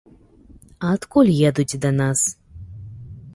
А адкуль едуць да нас?